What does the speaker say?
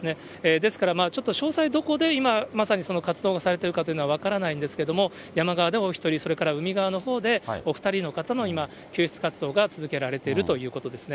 ですからちょっと詳細、どこで今、まさにその活動がされているかというのは、分からないんですけども、山側でお１人、それから海側のほうでお２人の方の今、救出活動が続けられているということですね。